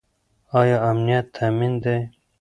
ايا امنيت تامين دی؟